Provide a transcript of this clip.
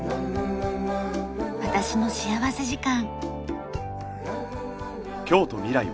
『私の幸福時間』。